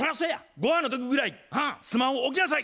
「御飯の時ぐらいスマホ置きなさい！」。